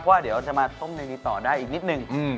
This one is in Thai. เพราะว่าเดี๋ยวเราต้องมาต้มในนี้ต่อได้อีกนิดนึง